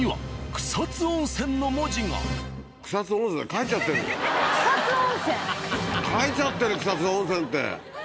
書いちゃってる「草津温泉」って。